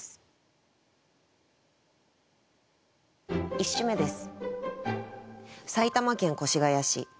１首目です。